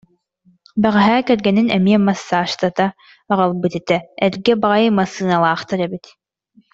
Бэҕэһээ кэргэнин эмиэ массажтата аҕалбыт этэ, эргэ баҕайы массыыналаахтар эбит